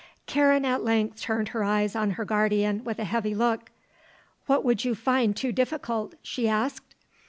Karen at length turned her eyes on her guardian with a heavy look. "What would you find too difficult?" she asked.